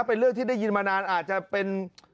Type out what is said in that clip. เป็นเรื่องที่ได้ยินมานานอาจจะเป็น